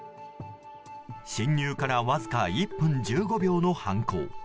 侵入からわずか１分１５秒の犯行。